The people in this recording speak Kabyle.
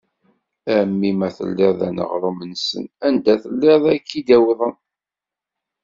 A mmi ma telliḍ d aneɣrum-nsen, anda telliḍ ad ak-id-awḍen.